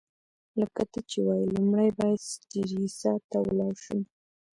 لکه ته چي وايې، لومړی باید سټریسا ته ولاړ شم.